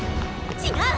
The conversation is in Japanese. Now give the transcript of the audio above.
違う！